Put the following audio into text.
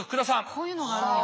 こういうのがあるんや。